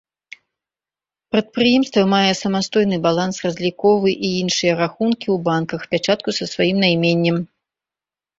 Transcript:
Прадпрыемства мае самастойны баланс, разліковы і іншыя рахункі ў банках, пячатку са сваім найменнем.